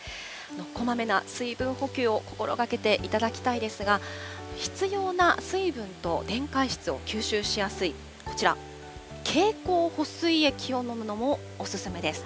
こまめな水分補給を心がけていただきたいですが、必要な水分と電解質を吸収しやすい、こちら、経口補水液を飲むのもお勧めです。